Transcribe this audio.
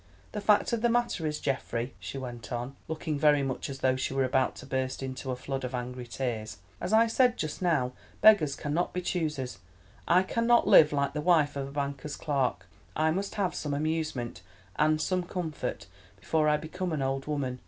The fact of the matter is, Geoffrey," she went on, looking very much as though she were about to burst into a flood of angry tears, "as I said just now, beggars cannot be choosers—I cannot live like the wife of a banker's clerk. I must have some amusement, and some comfort, before I become an old woman.